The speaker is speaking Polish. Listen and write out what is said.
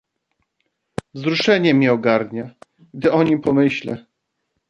"Wzruszenie mnie ogarnia, gdy o nim pomyślę."